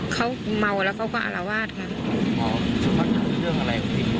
เขาเมาแล้วเขาก็อรวาสค่ะ